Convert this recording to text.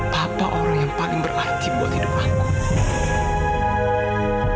papa orang yang paling berarti buat hidup aku